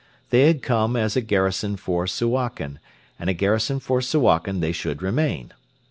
They had come as a garrison for Suakin, and a garrison for Suakin they should remain.